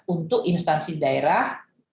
untuk instansi daerah